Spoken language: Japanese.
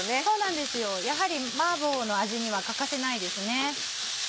そうなんですよやはり麻婆の味には欠かせないですね。